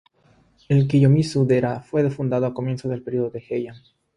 El "Kiyomizu-dera" fue fundado a comienzos del Periodo Heian.